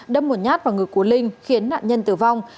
đâm một nhát vào người của linh khiến nạn nhân tử vong